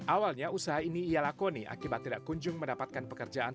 awalnya usaha ini ia lakoni akibat tidak kunjung mendapatkan pekerjaan